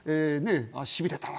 しびれたな